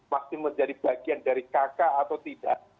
pasti menjadi bagian dari kakak atau tidak